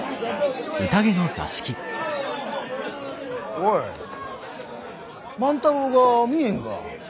おい万太郎が見えんが。